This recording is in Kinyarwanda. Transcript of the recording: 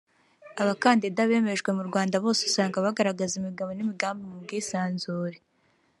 Abakandida bemejwe mu Rwanda bose usanga bagaragaza imigabo n’imigambi mu bwisanzure